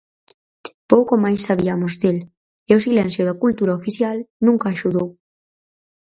Pouco máis sabiamos del, e o silencio da cultura oficial nunca axudou.